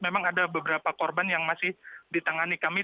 memang ada beberapa korban yang masih ditangani kami